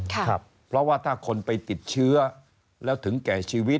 เพราะว่าถ้าคนไปติดเชื้อแล้วถึงแก่ชีวิต